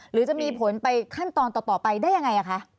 หรือจะมีผลไปขั้นตอนต่อไปได้ยังไงคะ